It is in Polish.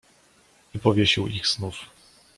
"I powiesił ich znów."